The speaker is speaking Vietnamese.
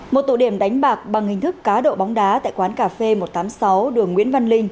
một tụ điểm đánh bạc bằng hình thức cá độ bóng đá tại quán cà phê một trăm tám mươi sáu đường nguyễn văn linh